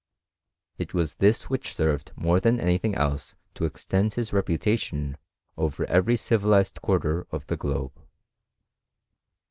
It was this which served more than any thing else to extend his reputation over every civilized quarter of the globe.